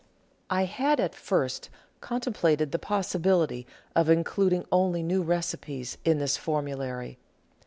I had at first contemplated the possibility of including only new recipes in this formulary.